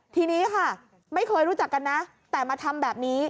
ทีนี้ค่ะไม่เคยรู้จักกันนะแต่มาทำแบบนี้